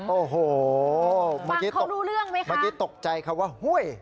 ว่าห้วยอ่าห้วยก็พอห้วยอีกแล้วก็เลยตกใจก็จะดุ้งกันหมดเลย